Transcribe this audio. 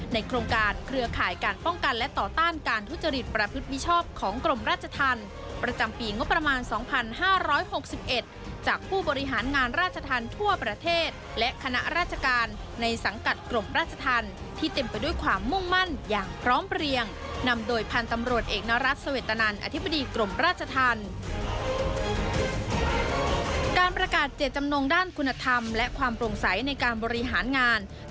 โครงการเครือข่ายการป้องกันและต่อต้านการทุจริตประพฤติมิชชอบของกรมราชธรรมประจำปีงบประมาณ๒๕๖๑จากผู้บริหารงานราชธรรมทั่วประเทศและคณะราชการในสังกัดกรมราชธรรมที่เต็มไปด้วยความมุ่งมั่นอย่างพร้อมเพลียงนำโดยพันธุ์ตำรวจเอกนรัฐเสวตนันอธิบดีกรมราชธรรมและความโปร่งใสในการบริหารงาน